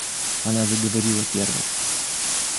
Она заговорила первой.